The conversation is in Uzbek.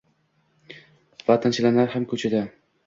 Va tilanchilar ham ko‘chada.